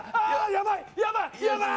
やばい！